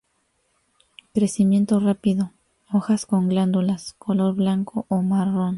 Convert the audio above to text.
Crecimiento rápido, hojas con glándulas, color blanco o marrón.